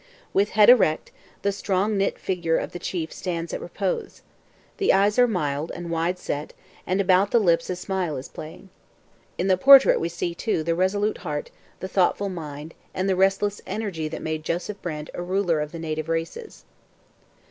With head erect, the strong knit figure of the chief stands at repose. The eyes are mild and wide set and about the lips a smile is playing. In the portrait we see, too, the resolute heart, the thoughtful mind, and the restless energy that made Joseph Brant a ruler of the native races.